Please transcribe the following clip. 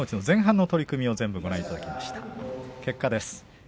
前半戦の取組を全部ご覧いただきました。